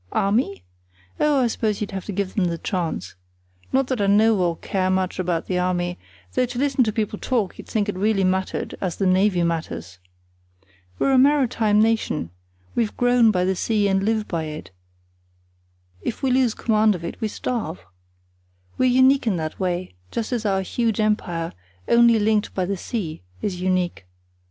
Army? Oh, I suppose you'd have to give them the choice. Not that I know or care much about the Army, though to listen to people talk you'd think it really mattered as the Navy matters. We're a maritime nation—we've grown by the sea and live by it; if we lose command of it we starve. We're unique in that way, just as our huge empire, only linked by the sea, is unique.